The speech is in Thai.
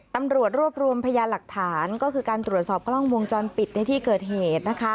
ตำรวจรวบรวมพยานหลักฐานก็คือการตรวจสอบกล้องวงจรปิดในที่เกิดเหตุนะคะ